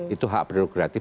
itu hak berdua kreatif